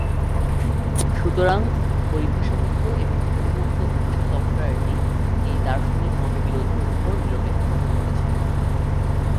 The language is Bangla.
সুতরাং, পরিভাষা মুক্ত এবং উন্মুক্ত উৎস সফটওয়্যারটি এই দার্শনিক মতবিরোধের উপর নিরপেক্ষ হতে চলেছে।